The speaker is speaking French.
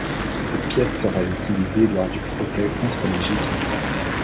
Cette pièce sera utilisée lors du procès contre les Jésuites.